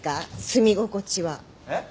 住み心地は。えっ？